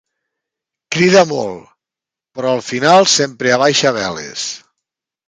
Crida molt, però al final sempre abaixa veles.